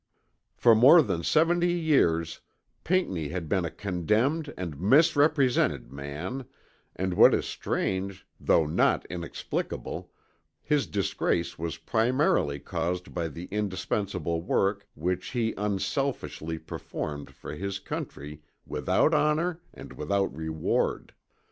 For more than 70 years, Pinckney has been a condemned and misrepresented man, and what is strange, though not inexplicable, his disgrace was primarily caused by the indispensable work which he unselfishly performed for his country without honor and without reward.